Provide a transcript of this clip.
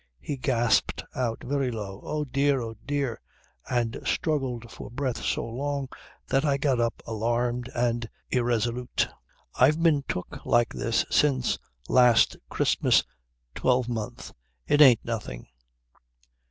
He gasped out very low 'Oh! dear! Oh! dear!' and struggled for breath so long that I got up alarmed and irresolute. "I've been took like this since last Christmas twelvemonth. It ain't nothing."